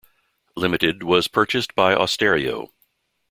Ltd., was purchased by Austereo.